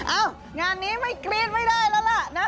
อ้าวงานนี้ไม่กรี๊ดไม่ได้ละนะ